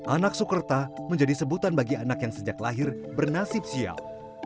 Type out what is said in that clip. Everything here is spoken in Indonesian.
anak sukerta menjadi sebutan bagi anak yang sejak lahir bernasib siap